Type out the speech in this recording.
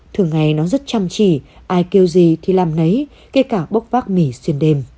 thường ngày nó rất chăm chỉ ai kêu gì thì làm nấy cả bốc vác mì xuyên đêm